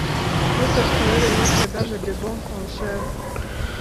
Groupe Scolaire Notre Dame du bon Conseil